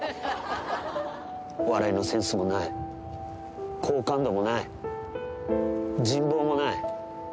笑いのセンスもない、好感度もない、人望もない。